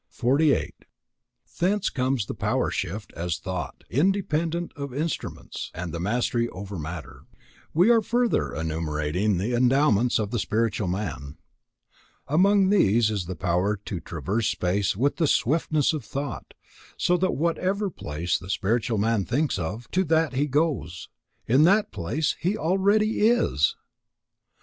Thence comes the power swift as thought, independent of instruments, and the mastery over matter. We are further enumerating the endowments of the spiritual man. Among these is the power to traverse space with the swiftness of thought, so that whatever place the spiritual man thinks of, to that he goes, in that place he already is.